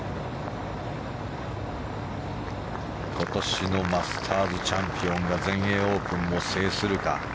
今年のマスターズチャンピオンが全英オープンも制するか。